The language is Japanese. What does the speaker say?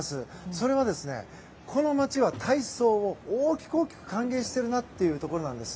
それは、この街は体操を大きく歓迎しているなというところなんです。